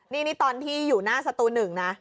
นี่ตอนที่อยู่หน้าสตู๑นะ